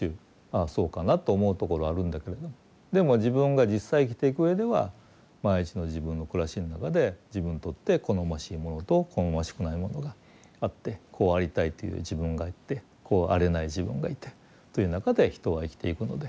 あそうかなと思うところあるんだけどでも自分が実際生きていくうえでは毎日の自分の暮らしの中で自分にとって好ましいものと好ましくないものがあってこうありたいという自分がいてこうあれない自分がいてという中で人は生きていくので。